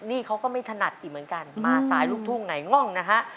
นี่เขาก็ไม่ถนัดอีกเหมือนกันมาสายลูกทุ่งไหนง่องนะฮะ